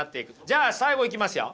じゃあ最後いきますよ。